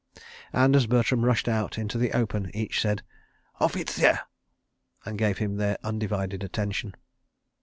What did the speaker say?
And, as Bertram rushed out into the open, each said "Offizier!" and gave him their undivided attention.